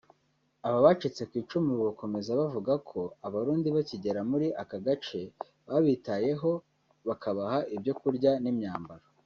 Aba bacitse ku icumu bakomeza bavuga ko Abarundi bakigera muri aka gace babitayeho bakabaha ibyo kurya n’imyambaro